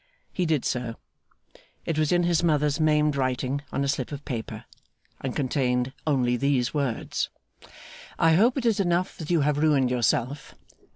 He did so. It was in his mother's maimed writing, on a slip of paper, and contained only these words: 'I hope it is enough that you have ruined yourself.